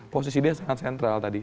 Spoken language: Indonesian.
posisi dia sangat sentral tadi